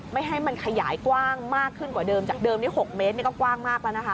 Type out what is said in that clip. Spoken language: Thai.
ไม่ให้มันขยายกว้างมากขึ้นกว่าเดิมจากเดิมนี้๖เมตรนี่ก็กว้างมากแล้วนะคะ